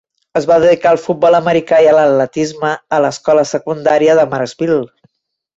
Es va dedicar al futbol americà i a l'atletisme a l'escola secundària de Marksville.